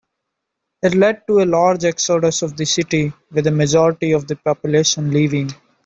It led to a large exodus of the city, with a majority of the population leaving.